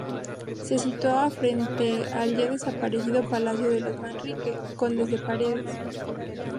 Se situaba frente al ya desaparecido palacio de los Manrique, condes de Paredes.